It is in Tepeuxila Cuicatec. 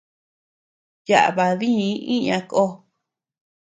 Yaʼa badii iña kó.